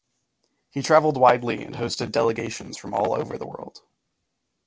He traveled widely and hosted delegations from all over the world.